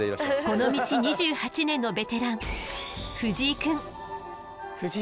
この道２８年のベテラン藤井くん。